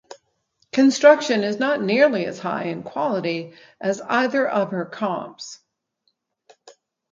Construction is not nearly as high in quality as either of her comps.